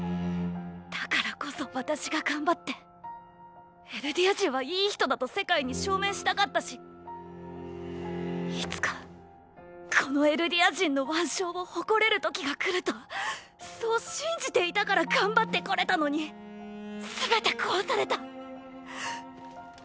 だからこそ私が頑張ってエルディア人は良い人だと世界に証明したかったしいつかこのエルディア人の腕章を誇れる時が来るとそう信じていたから頑張ってこれたのにすべて壊された。